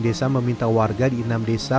desa meminta warga di enam desa